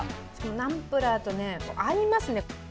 ナンプラーと合いますね。